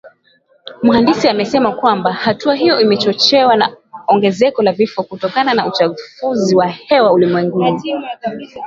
Mhandisi amesema kwamba hatua hiyo imechochewa na ongezeko la vifo kutokana na uchafuzi wa hewa ulimwenguni